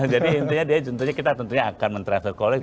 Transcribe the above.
jadi intinya dia jentuhnya kita tentunya akan men travel colleagues